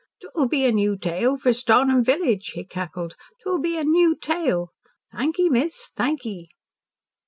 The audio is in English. "'T'will be a new tale for Stornham village," he cackled. "'T'will be a new tale. Thank ye, miss. Thank ye."